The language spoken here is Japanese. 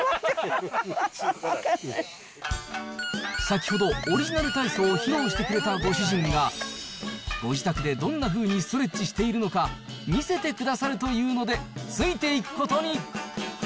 先ほどオリジナル体操を披露してくれたご主人が、ご自宅でどんなふうにストレッチしているのか見せてくださるというので、ついていくことに。